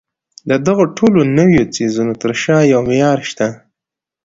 د دغو ټولو نويو څيزونو تر شا يو معيار شته.